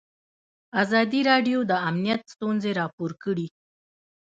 ازادي راډیو د امنیت ستونزې راپور کړي.